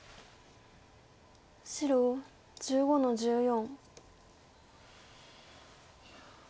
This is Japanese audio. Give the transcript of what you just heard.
白１５の十四。